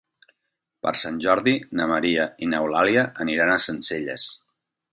Per Sant Jordi na Maria i n'Eulàlia aniran a Sencelles.